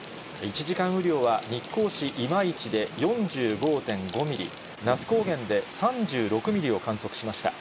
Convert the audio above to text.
１時間雨量は、日光市今市で４５．５ミリ、那須高原で３６ミリを観測しました。